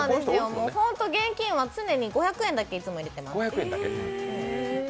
現金は常に５００円だけいつも入れてます。